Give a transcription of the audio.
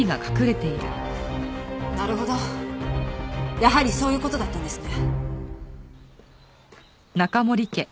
やはりそういう事だったんですね。